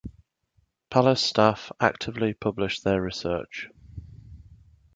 Palace staff actively publish their research.